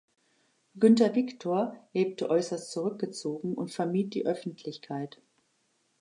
Günther Victor lebte äußerst zurückgezogen und vermied die Öffentlichkeit.